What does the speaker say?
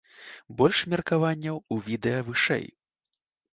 Больш меркаванняў у відэа вышэй.